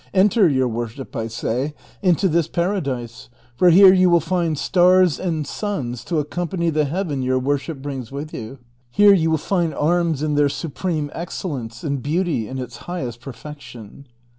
Enter, your worship, I say, into this paradise, for here you will find stars and suns to accompany the heaven your worship brings with you ; here you will find arms in their supreme excellence, and beauty in its highest perfection."